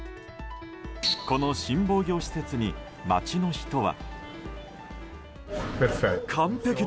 この新防御施設に街の人は。